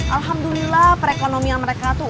alhamdulillah perekonomian mereka tuh